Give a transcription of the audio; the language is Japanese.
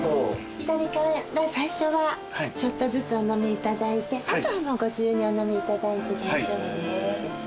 左から最初はちょっとずつお飲みいただいて後はもうご自由にお飲みいただいて大丈夫ですので。